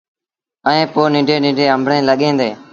ائيٚݩ پو ننڍيٚݩ ننڍيٚݩ آݩبڙيٚن لڳيٚن ديٚݩ۔